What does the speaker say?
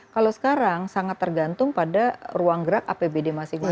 kalau sekarang sangat tergantung pada ruang gerak apbd masing masing